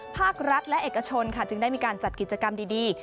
ภาครัฐและเอกชนค่ะจึงได้มีการจัดกิจกรรมดี